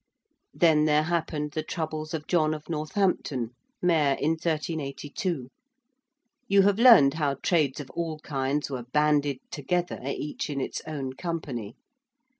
Then there happened the troubles of John of Northampton, Mayor in 1382. You have learned how trades of all kinds were banded together each in its own Company.